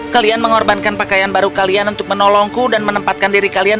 kalian mengorbankan pakaian baru kalian untuk menolongku dan menempatkan diri kalian